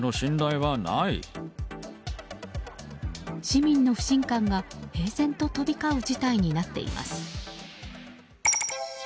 市民の不信感が平然と飛び交う事態になっています。